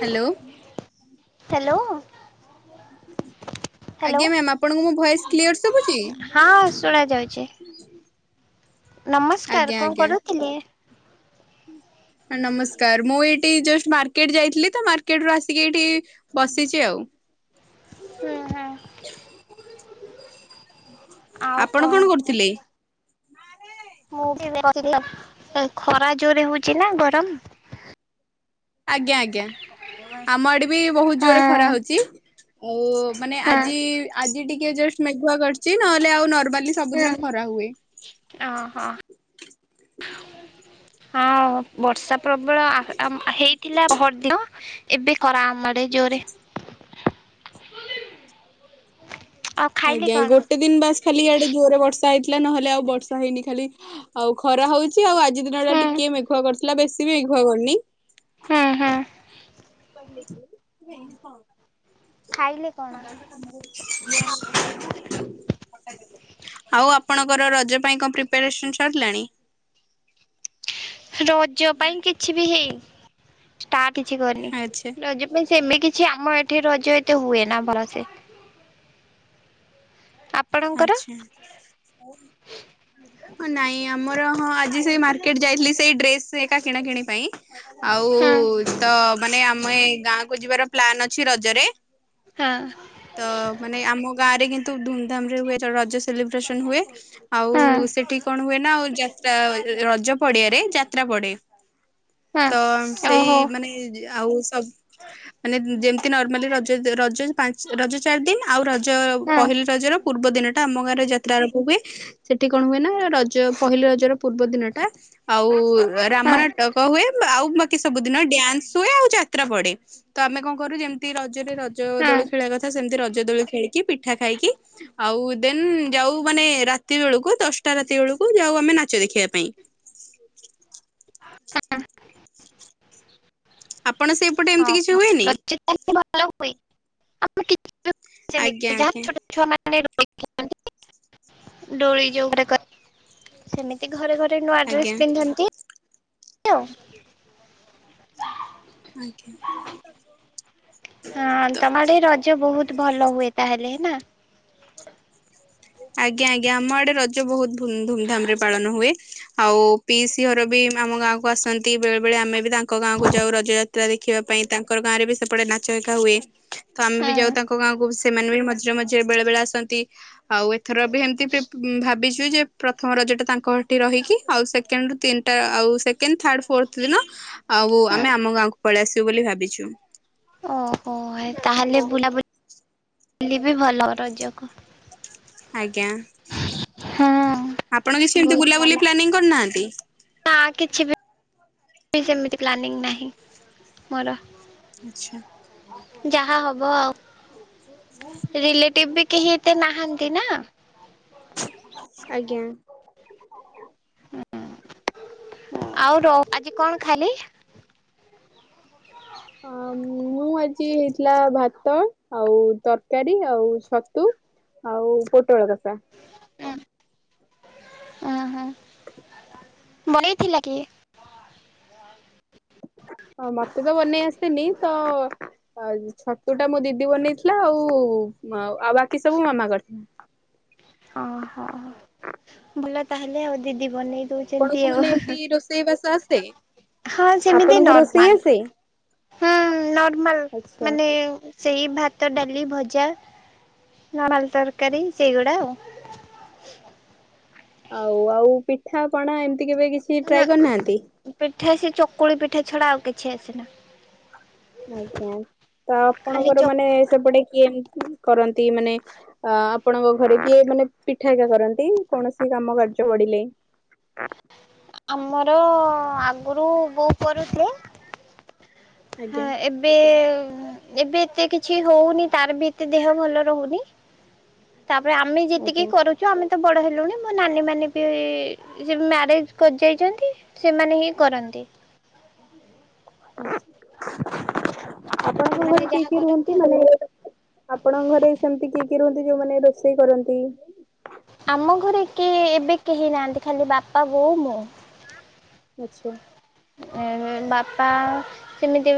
Hello. Hello. ଆଜ୍ଞା ma'am ଆପଣଙ୍କୁ ମୋ ଭଏସ କ୍ଲିୟର ସୁଭୁଚି? ହଁ, ଶୁଣା ଯାଉଚି ନମସ୍କାର ଆଜ୍ଞା କଣ ଆଜ୍ଞା କରୁଥିଲେ? ନମସ୍କାର ମୁଁ ଏଇଠି ଜଷ୍ଟ ମାର୍କେଟ ଯାଇଥିଲି ତ ମାର୍କେଟ ରୁ ଆସିକି ଏଇଠି ବସିଚି ଆଉ। ହୁଁ ହୁଁ। ଆଉ ଆପଣ କଣ କୁହ? କରୁଥିଲେ? ମୁଁ ବି ବସି, ଏଇ ଖରା ଜୋରରେ ହଉଚି ନା ଗରମ? ଆଜ୍ଞା। ଆଜ୍ଞା। ଆମ ଆଡେ ବି ବହୁତ ଜୋରେ ଖରା ହଁ ହଉଚି। ଆଉ ମାନେ ହଁ। ଆଜି ଆଜି ଟିକେ ଜଷ୍ଟ ମେଘୁଆ କରିଚି ନହେଲେ ଆଉ ନର୍ମାଲି ହୁଁ ସବୁଦିନ ଖରା ହୁଏ। ଓହୋ। ହଁ, ବର୍ଷା ପ୍ରବଳ ଆ ଆ ହେଇଥିଲା ପହରଦିନ। ଏବେ ଖରା ଆମ ଆଡ଼େ ଜୋରେ। ଆଉ ଖାଇଲେ ଆଜ୍ଞା। କଣ? ଗୋଟେ ଦିନ ବାସ ଖାଲି ଇଆଡେ ଜୋରରେ ବର୍ଷା ହେଇଥିଲା ନହେଲେ ଆଉ ବର୍ଷା ହେଇନି। ଖାଲି ଆଉ ଖରା ହଉଚି, ଆଉ ଆଜି ଦିନ ଟା ହୁଁ ଟିକେ ମେଘୁଆ କରିଥିଲା ବେଶୀ ବି ମେଘୁଆ କରିନି। ହଁ ହଁ। ଖାଇଲେ [unintelligible] କଣ? [inaudible] ଆଉ ଆପଣଙ୍କର ରଜ ପାଇଁ କଣ ପ୍ରିପାରେସନ ସରିଲାଣି? ରଜ ପାଇଁ କିଛି ବି ହେଇ ଷ୍ଟାର୍ଟ କିଛି କରିନି ଆଚ୍ଛା ରଜ ପାଇଁ ସେମି କିଛି ଆମ ଏଠି ରଜ ଏତେ ହୁଏନା ଭଲସେ। ଆପଣଙ୍କର? ଆଚ୍ଛା। ହଁ, ନାଇଁ ଆମର ହଁ ଆଜି ସେଇ ମାର୍କେଟ ଯାଇଥିଲି ସେଇ ଡ୍ରେସ ଏକା କିଣା କିଣି ପାଇଁ। ଆଉ ହଁ ତ ମାନେ ଆମ ଏ ଗାଁ କୁ ଯିବାର ପ୍ଲାନ ଅଛି ରଜରେ। ତ ହଁ। ମାନେ ଆମ ଗାଁରେ କିନ୍ତୁ ଧୁମଧାମ ରେ ହୁଏ ରଜ ସେଲିବ୍ରେସନ ହୁଏ। ଆଉ ହଁ ସେଠି କଣ ହୁଏ ନା, ଆଉ ଯାତ୍ରା ରଜ ପଡିଆରେ ଯାତ୍ରା ପଡେ। ହଁ ତ ସେଇ ଓହୋ ମାନେ ଆଉ ସବ ମାନେ ଯେମିତି ନର୍ମାଲି ରଜ ରଜ ପା ରଜ ଚାରି ଦିନ ଆଉ ରଜ ଞ୍ଚ ହଁ ପହିଲି ରଜର ପୂର୍ବ ଦିନ ଟା ଆମ ଗାଁରେ ଯାତ୍ରା ଆରମ୍ଭ ହୁଏ। ସେଠି କଣ ହୁଏ ନା ରଜ ପହିଲି ରଜର ପୂର୍ବ ଦିନଟା ଆଉ ରାମ ହଁ ନାଟକ ହୁଏ। ଆଉ ବାକି ସବୁଦିନ ଡ୍ୟାନ୍ସ ହୁଏ ଆଉ ଯାତ୍ରା ପଡେ ତ ଆମେ କଣ କରୁ ଯେ ତି ରଜରେ ରଜ ହଁ ଦୋଳି ଖେଳିବା କଥା ସେମିତି ରଜ ଦୋଳି ଖେଳିକି ପିଠା ଖାଇକି ଆଉ ଦେନ୍ ଯୋଉ ମାନେ ରାତି ବେଳକୁ ଦଶଟା ରାତି ବେଳକୁ ଯାଉ ଆମେ ନାଚ ଦେଖିବା ପାଇଁ। ହଁ ଆପଣ ସେଈ ଓ ହୋ [unintelligible] [unintelligible] ଆଜ୍ଞା ଆଜ୍ଞା ଦୋଳି ଯଉ ଗୁଡ଼ାକ ସେମିତି ଘରେ ଘରେ ନୂଆ ଡ୍ରେସ୍ ଆଜ୍ଞା ପିନ୍ଧନ୍ତି, ଆଉ। ଆଜ୍ଞା। ହଁ ତ ତମ ଆଡ଼େ ରଜ ବୋହୁତ୍ ଭଲ ହୁଏ ତାହେଲେ ନା? ଆଜ୍ଞା ଆଜ୍ଞା। ଆମ ଆଡେ ରଜ ବହୁତ ଧୁମ୍ ଧାମ୍ ରେ ପାଳନ ହୁଏ। ଆଉ ପିଇସି ଘର ବି ଆମ ଗାଁ କୁ ଆସନ୍ତି ବେଳେ ବେଳେ ଆମେ ବି ତାଙ୍କ ତାଙ୍କ ଗାଁ କୁ ଯାଉ ରଜଯାତ୍ରା ଦେଖିବା ପାଇଁ ତାଙ୍କର ଗାଁରେ ବି ସେପଟେ ନାଚ ଏକା ହୁଏ। ତ ଆମେ ବି ହଁ ଯାଉ ତାଙ୍କ ଗାଁକୁ ସେମାନେ ବି ମଝିରେ ମଝିରେ, ବେଳେ ବେଳେ ଆସନ୍ତି ଆଉ ଏ ଥର ବି ହେମିତି ପ୍ରିପ୍ ଭାବିଛୁ ଯେ ପ୍ରଥମ ରଜଟା ତାଙ୍କ ହେଠି ରହିକି, ଆଉ ସେକଣ୍ଡ ର ତିନିଟା ଆଉ ସେକଣ୍ଡ ଥାର୍ଡ ଫୋର୍ଥ ଦିନ ଆଉ ହଁ ଆମେ ଆମ ଗାଁକୁ ପଳେଇ ଆସିବୁ ବୋଲି ଭାବିଛୁ। ଓହୋ ତାହେଲେ ବୁଲାବୁଲି ବି ଭଲ ରଜକୁ। ଆଜ୍ଞା। ହଁ ଆପଣ କିଛି ସେମତି ବହୁତ ବୁଲାବୁଲି ପ୍ଲାନିଂ କରିନାହାନ୍ତି? ହ କିଛି ବି ସେମିତି ପ୍ଲାନିଂ ନାହିଁ ମୋର ଆଚ୍ଛା। ଯାହା ହବ ଆ ରିଲେଟିବ୍ ବି କେହି ଏତେ ନାହାନ୍ତି ନା ଆଜ୍ଞା। ଆଉ ର ଆଜି କଣ ଖାଲି? ହ ମୁଁ। ମୁଁ ଆଜି ହେଇଥିଲା ଭାତ ଆଉ ତରକାରୀ ଆଉ ଛତୁ ଆଉ ପୋଟଳ କସା ଉଁ, ଉଁ ହୁଁ। ବନେଇଥିଲା କିଏ? ହଁ ମତେ ତ ବନେଇ ଆସେନି ତ ଆଉ ଛତୁ ଟା ମୋ ଦିଦି ବନେଇଥିଲା ଆଉ। ଆଉ ବାକି ସବୁ ମାମା କରିଥିଲା। ଓହୋ। ଭଲ ତାହେଲେ ଆଉ ଦିଦି ବନେଇ ଦଉ ଆପଣ ଙ୍କୁ ମାନେ ଏମତି ରୋଷେଇ ବାସ ଆସେ? ହଁ ସେମିତି ଆପଣଙ୍କୁ ରୋଷେଇ ନର୍ମାଲ ଆସେ ହୁଁ ନର୍ମାଲ ଆଚ୍ଛା ମାନେ ସେଇ ଭାତ ଡାଲି ଭଜା, ନର୍ମାଲ ତରକାରୀ ସେଇଗୁଡ଼ା ଆଉ ଆଉ ଆଉ ପିଠା ପଣା ଏମିତି କେବେ କିଛି ନା ଟ୍ରାଏ କରିନାହାନ୍ତି? ପିଠା ସେ ଚକୁଳି ପିଠା ଛଡା ଆଉ କିଛି ଆସେନା। ଆଜ୍ଞା। ତ ଖାଲି ଆପଣଙ୍କର ମାନେ ଚକୁଳି। ସେପଟେ କିଏ କରନ୍ତି ମାନେ ଅ ଆପଣଙ୍କ ଘରେ କିଏ ମାନେ ପିଠାକା କରନ୍ତି କୌଣସି କାମ କାର୍ଯ୍ୟ ବଡିଲେ? ଆମର ଆଗରୁ ବୋଉ କରୁଥିଲେ ହଁ ଆଜ୍ଞା। ଏବେ, ଏବେ ଏତେ କିଛି ହଉନି, ତାର ବି ଏତେ ଦେହ ଭଲ ରହୁନି। ତାପରେ ଆମେ ଯେତିକି ଆଜ୍ଞା କରୁଛୁ, ଆମେ ତ ବଡ ହେଲୁଣି। ମୋ ନାନୀ ମାନେ ବି ସେ ମ୍ୟାରେଜ କରି ଯାଇଛନ୍ତି ସେମାନେ ହିଁ କରନ୍ତି। ଆପଣଙ୍କ ସେମାନେ ଘରେ କିଏ ଯାହା କି କରନ୍ତି ରୁହନ୍ତି? ମାନେ ଆପଣଙ୍କ ଘରେ ସେମିତି କିଏ କିଏ ରୁହନ୍ତି, ଯୋଉମାନେ ରୋଷେଇ କରନ୍ତି? ଆମ ଘରେ କିଏ ଏବେ କେହି ନାହାନ୍ତି, ଖାଲି ବାପା ବୋଉ ମୁଁ। ଆଚ୍ଛା। ଏ ବାପା ସେମିତି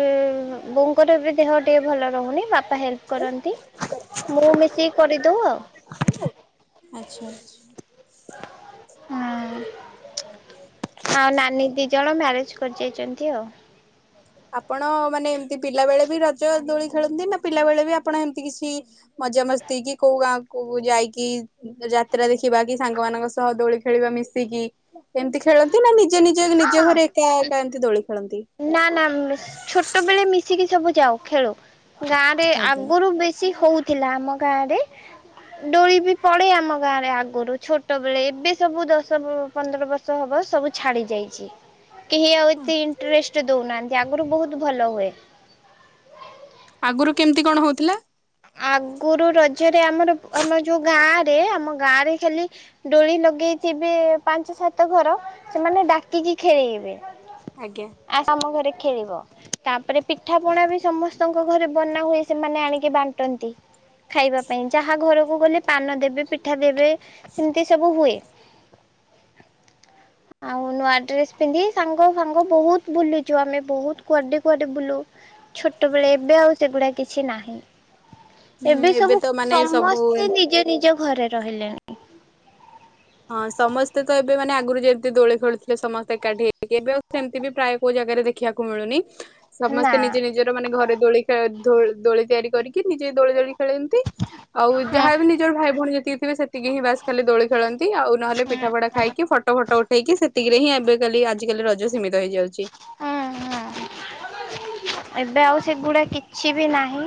ବୋଉଙ୍କର ବି ଦେହ ଟିକେ ଭଲ ରହୁନି ବାପା ହେଲ୍ପେ କରନ୍ତି। ମୁଁ ମିଶିକି କରିଦଉ ଆଉ। ଆଛା ଆଛା। ହଁ ଆଉ ନାନୀ ଦି ଜଣ ମ୍ୟାରେଜ କରି ଯାଇଛନ୍ତି ଆଉ। ଆପଣ ମାନେ ଏମିତି ପିଲା ବେଳେ ବି ରଜ ଦୋଳି ଖେଳନ୍ତି? ନା ପିଲା ବେଳେ ବି ଆପଣ ଏମିତି କିଛି ମଜା ମସ୍ତି କି କୋଉ ଗାଁ କୁ କଉ ଯାଇକି ଯାତ୍ରା ଦେଖିବା କି, ସାଙ୍ଗମାନଙ୍କ ସହ ଦୋଳି ଖେଳିବା ମିଶିକି ଏମିତି ଖେଳନ୍ତି, ନା ନିଜ ନିଜ ହଁ ନିଜଘରେ ଏକା ଏକା ଏମିତି ଦୋଳି ଖେଳନ୍ତି। ନା, ନା, ଅମ୍ ହ ଛୋଟ ବେଳେ ମିଶିକି ସବୁ ଯାଉ ଖେଳୁ, ଗାଁ ରେ ଆଜ୍ଞା ଆଗରୁ ବେଶୀ ହଉ ଥିଲା। ଆମ ଗାଁରେ ଡୋଳି ବି ପଡେ ଆମ ଗାଁ ରେ ଆଗରୁ ଛୋଟ ବେଳେ। ଏବେ ସବୁ ଦଶ ପନ୍ଦର ବର୍ଷ ଷ ହବ ସବୁ ଛାଡି ଯାଇଚି। କେହି ଆଉ ଏତେ ଇଣ୍ଟରେଷ୍ଟ ଦଉନାହାଁନ୍ତି। ଆଗରୁ ବହୁତ ଭଲ ହୁଏ। ଆଗରୁ କେମିତି କଣ ହଉଥିଲା? ଆଗରୁ, ରଜରେ ଆମର, ଆମର ଯୋଉ ଗାଁ ରେ ଆମ ଗାଁରେ ଖାଲି ଡୋଳି ଲଗେଇ ଥିବେ ପାଞ୍ଚ ସାତ ଘର। ସେମାନେ ଡାକିକି ଖେଳେଇବେ। ଆଜ୍ଞା। ଆସ ଆମ ଘରେ ଖେଳିବ। ତା'ପରେ ପିଠା ପଣା ବି ସମସ୍ତଙ୍କ ଘରେ ବନା ହୁଏ। ସେମାନେ ଆଣିକି ବାଣ୍ଟ ଟନ୍ତି। ଖାଇବା ପାଇଁ, ଯାହା ଘରକୁ ଗଲେ ପାନ ଦେବେ, ପିଠା ଦେବେ। ଏମିତି ସବୁ ହୁଏ। ଆଉ ନୂଆ ଡ୍ରେସ୍ ପିନ୍ଧି ସାଙ୍ଗ ଫାଙ୍ଗ ବହୁତ ବୁଲୁଚୁ, ଆମେ ବହୁତ କୁଆଡ଼େ କୁଆଡ଼େ ବୁଲୁ। ଛୋଟବେଳେ, ଏବେ ଆଉ ସେଗୁଡା କିଛି ନାହିଁ। ଏବେ, ହୁଁ ସବୁ ତ ମାନେ ସବୁ ଏ ସମସ୍ତେ ନିଜ ନିଜ ଘରେ ରହିଲେଣି। ହଁ ସମସ୍ତେ ତ ଏବେ ମାନେ ଆଗରୁ ଯେମିତି ଦୋଳି ଖେଳୁଥିଲେ, ସମସ୍ତେ ଏକାଠି ହେଇକି। ଏବେ ଆଉ ସେମିତି ବି ପ୍ରାୟ କୋଉ ଜାଗାରେ ଦେଖ୍ ଦେଖିଆକୁ ମିଳୁନି। ନା। ସମସ୍ତେ ନିଜେ ନିଜର ମାନେ ଘରେ ଦୋଳି ଖେ ଧୋ ଦୋଳି ତିଆରି କରିକି, ନିଜେ ଦୋଳି ଦୋଳି ଖେଳନ୍ତି। ଆଉ, ହୁଁ ଯାହା ବି ହୁଁ ନିଜର ଭାଇ ଭଉଣି ଯେତିକିଥିବେ, ସେତିକି ହିଁ ବାସ୍ ଖାଲି ଦୋଳି ଖେଳନ୍ତି ଆଉ ନହେଲେ ପିଠା ପଢା ଖାଇକି ହୁଁ ଫଟୋ ଫଟୋ ଉଠେଇକି ସେତିକିରେ ହିଁ, ଏବେ କାଲି ଆଜିିକାଲି ରଜ ସୀମିତ ହେଇଯାଉଛି। ଉଁ, ହୁଁ। ଏବେ ଆଉ ସେଗୁଡା କିଛି ବି ନାହିଁ।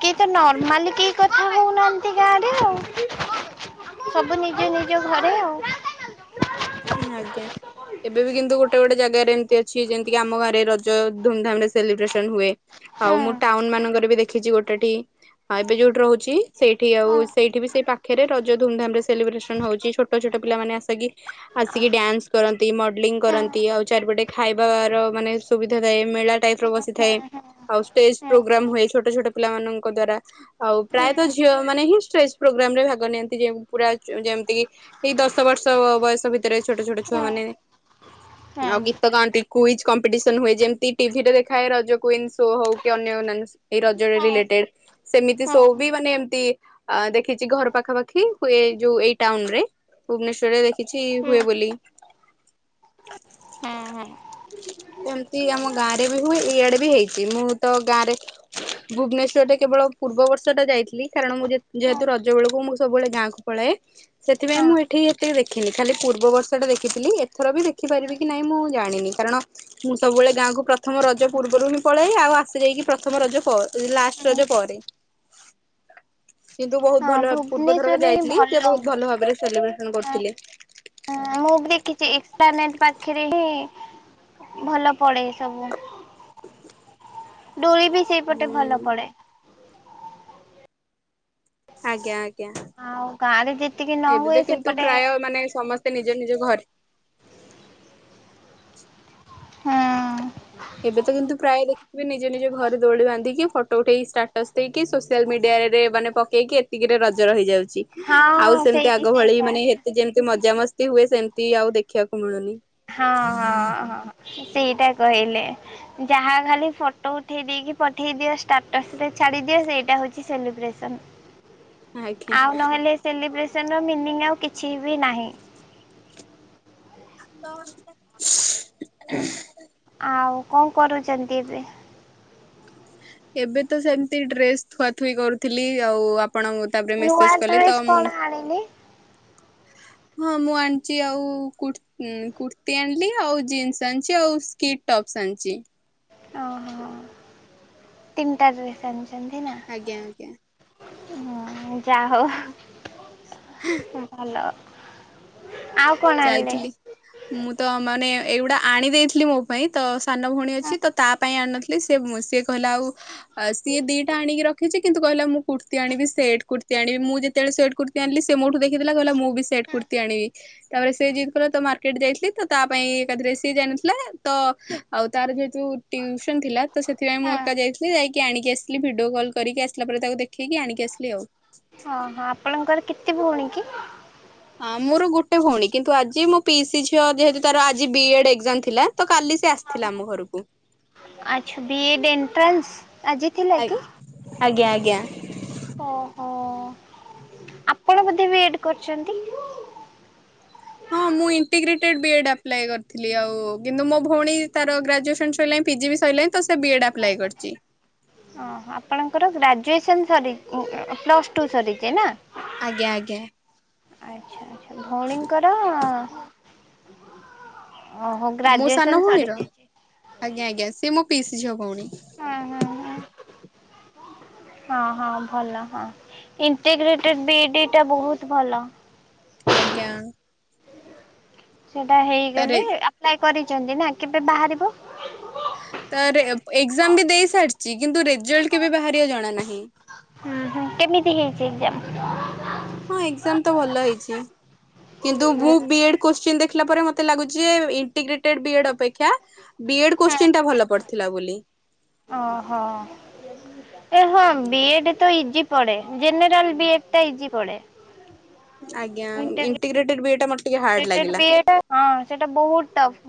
କେଇ ତ ନର୍ମାଲି କେହି କଥା ହଉନାହାଁନ୍ତି, ଗାଁରେ ଆଉ। ସବୁ ନିଜ ନିଜ ଘରେ ଆଉ। ଆଜ୍ଞା। ଏବେ ବି କିନ୍ତୁ ଗୋଟେ ଗୋଟେ ଜାଗାରେ ଏମିତି ଅଛି, ଯେମିତି କି ଆମ ଘରେ ରଜ ଧୁମଧାମ ରେ ସେଲିବ୍ରେସନ୍ ହୁଏ। ଆଉ, ହୁଁ ମୁଁ ଟାଉନ୍ ମାନଙ୍କରେ ବି ଦେଖିଛି ଗୋଟେଠି, ହ ଏବେ ଯୋଉଠି ରହୁଛି ସେଇଠି ଆଉ, ହୁଁ ସେଇଠି ବି ସେଇ ପାଖରେ ରଜ ଧୁମ୍ ଧାମ୍ ରେ ସେଲିବ୍ରେସନ୍ ହଉଛି। ଛୋଟ ଛୋଟ ପିଲାମାନେ ଆସିକି ଆସିକି ଡ୍ୟାନ୍ସ କରନ୍ତି, ମଡେଲିଂ ହୁଁ କରନ୍ତି, ଆଉ ଚାରିପଟେ ଖାଇବାର ମାନେ ସୁବିଧା ଥାଏ। ମେଳା ଟାଇପ୍ ର ହୁଁ ହୁଁ ହୁଁ ହୁଁ ହୁଁ ହୁଁ ହୁଁ ବସିଥାଏ। ଆଉ ଷ୍ଟେଜ୍ ପ୍ରୋଗ୍ରାମ୍ ହୁଏ ଛୋଟ ଛୋଟ ପିଲାମାନଙ୍କ ଦ୍ଵାରା। ଆଉ, ହୁଁ ପ୍ରାୟତଃ ଝିଅ ମାନେ ହିଁ ଷ୍ଟେଜ୍ ପ୍ରୋଗ୍ରାମ୍ ରେ ଭାଗ ନିଅନ୍ତି ପୁରା ଯେମିତି କି ଏଇ ଦଶ ବର୍ଷ ବୟସ ଭିତରେ, ଛୋଟ ଛୋଟ ଛୁଆ ମାନେ ହ [inaudible] ଆଉ ଗୀତ ଗାନ୍ତି। କୁଇଜ୍ କମ୍ପିଟିସନ୍ ହୁଏ। ଯେମିତି ଟିଭିରେ ଦେଖାଏ ରଜ କୁଇନ ଶୋ ହଉ, କି ଅନ୍ୟ ଅନ୍ୟାନ ଶୋ ଏଇ ରଜରେ ରିଲେଟେଡ୍ ସେମିତି ଶୋ ବି ମାନେ, ଏମତି ଦେଖିଛି ଘର ପାଖାପାଖି। ଯୋଉ ଏଇ ଟାଉନ୍ ରେ। ଭୁବନେଶ୍ଵରରେ ଦେଖିଛି ହୁଁ ହୁଏ ବୋଲି। ହୁଁ, ହୁଁ। ଏମିତି ଆମ ଗାଁରେ ବି ହୁଏ। ଇଆଡେ ବି ହେଇଛି। ମୁଁ ତ ଗାଁ ରେ ଭୁବନେଶ୍ୱରରେ କେବଳ ପୂର୍ବ ବର୍ଷଟା ଯାଇଥିଲି। କାରଣ ମୁଁ ଯେ-ଯେହେତୁ ରଜ ବେଳକୁ, ମୁଁ ସବୁବେଳେ ଗାଁକୁ ପଳାଏ। ସେଥିପାଇଁ ମୁଁ ହଁ ଏଠି ଏତେ ଦେଖ୍ ଖିନି। ଖାଲି ପୂର୍ବବର୍ଷଟା ଦେଖିଥିଲି। ଏଥର ବି ଦେଖିପାରିବି କି ନାହିଁ, ମୁଁ ଜାଣିନି? କାରଣ ମୁଁ ସବୁବେଳେ ଗାଁକୁ ପ୍ରଥମ ରଜ ପୂର୍ବରୁ ହିଁ ପଳାଏ। ଆଉ, ଆସେ ଯାଇକି ପ୍ରଥମ ରଜ ପ ଲାଷ୍ଟ ରଜ ପରେ। ହ [inaudible] କିନ୍ତୁ, ବହୁତ ଭଲ ପୂର୍ବଥରକ ଯାଇଥିଲି। ଭଲ ସେ ବହୁତ ହୁଏ। ଭଲ ଭାବରେ ସେଲିବ୍ରେସନ୍ କରିଥିଲେ। ହଁ ମୁଁ ବି ଦେଖିଚି ଏକ୍ସପ୍ଲାନେଟ୍ ପାଖରେ ହିଁ ଭଲ ପଡେ ସବୁ। ଡୋଳି ବି ସେଇ ପଟେ ଭଲ ହୁଁ ପଡେ। ଆଜ୍ଞା, ଆଜ୍ଞା ଆଉ ଗାଁରେ ଯେତିକି ନ ଏବେ ହୁଏ ତ କିନ୍ତୁ ସେପଟେ ପ୍ରାୟ ମାନେ ସମସ୍ ତେ ନିଜ ନିଜ ଘରେ ହଁ। ଏବେ ତ କିନ୍ତୁ ପ୍ରାୟ ଦେଖିଥିବେ ନିଜ ନିଜ ଘରୁ ଦୋଳି ବାନ୍ଧିକି ଫଟୋ ଉଠେଇ ଷ୍ଟାଟସ୍ ଦେଇକି। ସୋସିଆଲ୍ ମିଡିଆରେ ମାନେ ପକେଇକି ଏତିକିରେ ରଜର ହେଇଯାଉଛି। ହଁ ଆଉ ସେମିତି ସେଇ ଆଗ ଭଳି ସେଇଟା ମାନେ ହେ କି ଯେମତି ମଜାମସ୍ତି ହୁଏ ସେମତି ଆଉ ଦେଖିବାକୁ ମିଳୁନି। ହଁ, ହଁ, ହଁ ସେଇଟା କହିଲେ। ଯାହା ଖାଲି ଫଟୋ ଉଠେଇ ଦେଇକି ପଠେଇ ଦିଅ। ଷ୍ଟାଟସ୍ ରେ ଛାଡିଦିଅ ସେଇଟା ହଉ ସେ ସେଲିବ୍ରେସନ୍। ଆଜ୍ଞା। ଆଉ ନହେଲେ ସେଲିବ୍ରେସନ୍ ର ମିନିଙ୍ଗ ଆଉ କିଛି ବି ନାହିଁ। ତ [inaudible] ଆଉ କଣ କରୁଚନ୍ତି ଏବେ? ଏବେ ତ ସେମତି ଡ୍ରେସ୍ ଥୁଆଥୁଇ କରୁଥିଲି, ଆଉ ଆପଣଙ୍କ ନୂଆ ଡ୍ରେସ୍ କଣ ଆଣିଲେ? ହଁ ମୁଁ ଆଣିଚି ଆଉ କୁର୍ ହୁଁ, କୁର୍ତ୍ତି ଆଣିଲି ଆଉ ଜିନ୍ସ ଆଣିଛି ଆଉ ସ୍କିଟ ଟପସ୍ ଆଣିଚି। ଓହୋ! ତିନଟା ଡ୍ରେସ୍ ଆଣିଛନ୍ତି ନା? ଆଜ୍ଞା, ଆଜ୍ଞା। ହଁ ଯା ହଉ ହଁ ଭଲ। ଆଉ କଣ ଆଣିଲେ? ଯାଇଥିଲି। ମୁଁ ତ ମାନେ ଏଇଗୁଡ଼ା ଆଣି ଦେଇଥିଲି ମୋ ପାଇଁ। ତ ସାନ ଭଉଣୀ ଅଛି ତ ତା ପାଇଁ ଆଣିନଥିଲି। ସିଏ ଉଁ, ସିଏ କହିଲା ଆଉ ଆ, ସିଏ ଦିଟା ଆଣିକି ରଖିଛି କିନ୍ତୁ କହିଲା ମୁଁ କୁର୍ତ୍ତି ଆଣିବି ସେଟ୍ କୁର୍ତ୍ତି ଆଣିବି। ମୁଁ ଯେତେବେଳେ ସେଟ୍ କୁର୍ ତି ଆଣିଲି ସେ ମୋଠୁ ଦେଖିଦେଲା କହିଲା ମୁଁ ବି ସେଟ୍ କୁର୍ତ୍ତି ଆଣିବି। ତାପରେ ସେ ଜିଦ୍ କଲା ତ ମାର୍କେଟ୍ ଯାଇଥିଲି ତ ତା ପାଇଁ ଏକାଥରେ ସିଏ ଯାଇନଥିଲା ତ ଆଉ ତାର ଯେହେତୁ ଟିଉସନ୍ ଥିଲା ତ। ସେଥିପାଇଁ ମୁଁ ହଁ ଏକା ଯାଇଥିଲି ଯାଇକି ଆଣିକି ଆସିଲି। ଭିଡିଓ କଲ୍ କରିକି ଆସିଲା ପରେ ତାକୁ ଦେ ଖିକି ଆଣିକି ଆସିଲି ଆଉ। ଓହୋ, ଆପଣଙ୍କର କେତେ ଭଉଣୀ କି? ହଁ ମୋର ଗୋଟେ ଭଉଣୀ। କିନ୍ତୁ ଆଜି ମୋ ପିଇସି ଝିଅ ଯେହେତୁ ତାର ଆଜି ବି ଏଡ ଏକ୍ଜାମ୍ ଥିଲା ତ କାଲି ସିଏ ଆସ ଥିଲା ଆମ ଘରକୁ। ଆଚ୍ଛା, ବି ଏଡ୍ ଏଣ୍ଟ୍ରାନ୍ସ, ଆଜି ଥିଲା ଆଇ କି? ଆଜ୍ଞା, ଆଜ୍ଞା। ଓହୋ! ଆପଣ ବୋଧେ ବି ଏଡ୍ କରିଛନ୍ତି? ହଁ। ମୁଁ ଇଣ୍ଟିଗ୍ରେଟେଡ୍ ବି ଏଡ୍ ଆପ୍ଲାଏ କରିଥିଲି ଆଉ। କିନ୍ତୁ ମୋ ଭଉଣୀ ତାର ଗ୍ରାଜୁଏସନ୍ ସଇଲାଣି ପିଜି ବି ସଇଲାଣି। ତ ସେ ବି ଏଡ୍ ଆପ୍ଲାଏ କରିଚି। ଓହୋ! ଆପଣଙ୍କର ଗ୍ରାଜୁଏସନ୍ ସରି ଉଁ, ଉଁ, ହୁଁ, ପ୍ଲସ୍ ଟୁ ସରିଚି ନା? ଆଜ୍ଞା, ଆଜ୍ଞା। ଆଚ୍ଛା, ଆଚ୍ଛା, ଭଉଣୀଙ୍କର? ଓହୋ, ମୋ ସାନ ଗ୍ରାଜୁଏସନ୍ ଭଉଣୀର ସରିଯାଇଛି। ଆଜ୍ଞା, ଆଜ୍ଞା ସିଏ ମୋ ପିଇସି ଝିଅ ଭଉଣୀ। ହଁ, ହଁ, ହଁ। ହଁ, ହଁ ଭଲ ହଁ ଇଣ୍ଟିଗ୍ରେଟେଡ୍ ବି ଇଡି ଟା ବହୁତ ଭଲ। ଆଜ୍ଞା। ସେଇଟା ତାରେ ହେଇଗଲେ, ଆପ୍ଲାଏ କରିଚନ୍ତି ନା କେବେ ବାହାରିବ? ତାର ଏ ଏକ୍ଜାମ୍ ବି ଦେଇ ସାରିଚି। କିନ୍ତୁ ରେଜଲ୍ଟ କେବେ ବାହାରିବ ଜଣା ନାହିଁ। ଉଁ, ହୋ କେମିତି ହେଇଛି ଏକ୍ଜାମ୍? ହଁ ଏଜାମ ତ ଭଲ ହେଇଛି କିନ୍ତୁ ବୁ ବି ଏଡ କୋଶ୍ଚିନ ଦେଖିଲା ପରେ ମତେ ଲାଗୁଛି ଯେ ଇଣ୍ଟିଗ୍ରେଟେଡ ବି ଏଡ୍ ଅପେକ୍ଷା ବି ଏଡ କୋ୍ଶ୍ଚିନ୍ ଟା ଭଲ ପଡ଼ିଥିଲା ବୋଲି। ଅହୋ। ଏ ହଁ ବି ଏଡ ତ ଇଜିି ପଡ଼େ ଜେନୋରାଲ ବି ଏଡ ଟା ଇଜିି ପଡ଼େ। ଆଜ୍ଞା ଇଣ୍ଟିଗ୍ରେଟେଡ ବି ଏଡ୍ ଟା ମତେ ଟିକେ ହାର୍ଡ ଗ୍ରେଟେଡ ଲାଗିଲା। ବି ଏଡ୍ ହଁ ସେଟା ବହୁତ୍ ଟପ୍।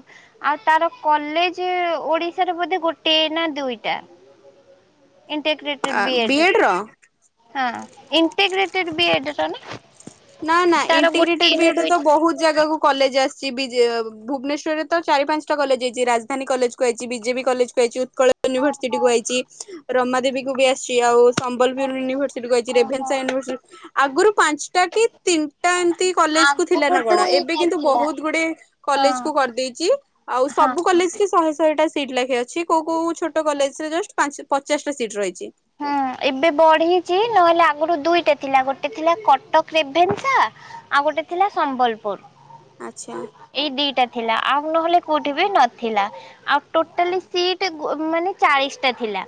ଆଉ ତାର କଲେଜେ ଓଡିଶାରେ ବୋଧେ ଗୋଟିଏ ନା ଦୁଇଟା। ଇଣ୍ଟେଗ୍ରେଟେଡ ବି ଏଡ ର। ହଁ ଇଣ୍ଟିଗ୍ରେଟେଡ ବି ଏଡ ର ନା। ନା ନା ତାର ଇଣ୍ଟିଗ୍ରେଟେଡ ଗୋଟିଏ ବି ନା ଏଡ ତ ଦୁଇଟା ବହୁତ ଜାଗାକୁ କଲେଜ ଆସିଛି ବିଯେ ଭୁବନେଶ୍ୱରରେ ତ ଚାରି ପାଞ୍ଚଟା କଲେଜ ଆଇଛି ରାଜଧାନୀ କଲେଜକୁୁ ଆଇଛି ବିଜେପି କଲେଜକୁୁ ଆଇଛି। କଳ ୟୁନିଭରସିଟି ଓହୋ କୁ ଆଇଛି ରମା ଦେବୀ କୁ ବି ଆସିଛି ଆଉ ସମ୍ବଲପୁର ଆଚ୍ଛା। ୟୁନିଭର୍ସିଟି କୁ ଆଇଛି ଓହୋ ରେଭେନ୍ସା ୟୁନିଭର୍ସିଟି ଆଗରୁ ପାଞ୍ଚଟା କି ତିନିଟା ଏମତି କଲେଜ କୁ ଥିଲା ଆଗରୁ ନା କଣ ଏବେ ଦୁଇଟା କିନ୍ତୁ ଥିଲା ବହୁତ ଗୁଡେ ହଁ କଲେଜ କୁ କରିଦେଇଛି ଆଉ ହଁ। ସବୁ ହଁ। କଲେଜ କି ଶହେ ଶହେଟା ସିଟ୍ ଲେଖା ଅଛି କୋଉ କୋଉଁ ଛୋଟ କଲେଜରେ ଜଷ୍ଟ ପଚାଶଟା ସିଟ୍ ରହିଛି। ହୁଁ ଏବେ ବଢ଼େଇଛି ନହେଲେ ଆଗୁରୁ ଦୁଇଟା ଥିଲା ଗୋଟେ ଥିଲା କଟକ ରେଭେନ୍ସା ଆଉ ଗୋଟେ ଥିଲା ସମ୍ବଲପୁର। ଆଚ୍ଛା। ଏଇ ଦିଇଟା ଥିଲା ଆଉ ନହେଲେ କୋଉଁଠି ବି ନଥିଲା ଆଉ ଟୋଟାଲି ସିଟି ଗୋ ମାନେ ଚାଳିଶ ଟା ଥିଲା।